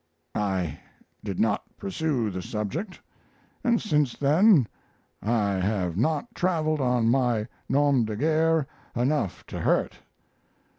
I did not pursue the subject, and since then I have not traveled on my 'nom de guerre' enough to hurt.